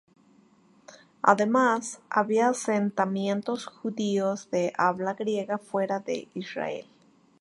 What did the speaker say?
Además, había asentamientos judíos de habla griega fuera de Israel.